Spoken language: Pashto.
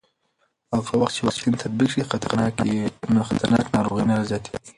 هغه وخت چې واکسین تطبیق شي، خطرناک ناروغۍ نه زیاتېږي.